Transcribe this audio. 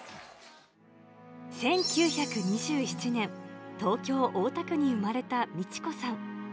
１９２７年、東京・大田区に生まれた道子さん。